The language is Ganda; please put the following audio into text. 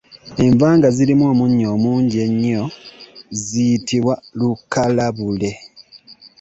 Enva nga zirimu omunnyo omungi ennyo ziyitibwa Lukalabule.